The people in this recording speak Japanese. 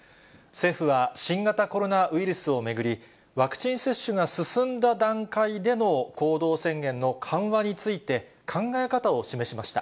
政府は、新型コロナウイルスを巡り、ワクチン接種が進んだ段階での行動制限の緩和について、考え方を示しました。